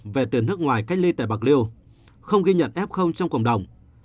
về từ nước ngoài cách ly tại bạc liêu không ghi nhận f trong cộng đồng